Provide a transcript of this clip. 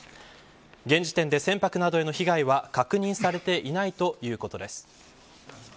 現時点で、船舶などへの被害は確認されていないということです。